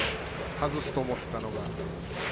外すと思っていたのが。